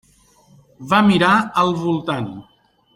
Va mirar al voltant.